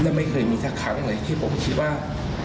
และไม่เคยมีสักครั้งเลยที่ผมคิดว่า